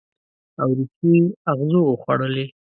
او ریښې یې اغزو وخوړلي